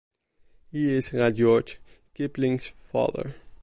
He is Rudyard Kipling’s father.